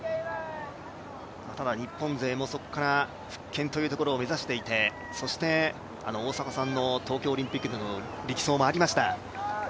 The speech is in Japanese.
ただ日本勢もそこから復権を目指していてそして、大迫さんの東京オリンピックでの力走もありました。